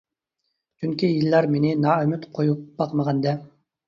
چۈنكى يىللار مېنى نائۈمىد قويۇپ باقمىغان-دە.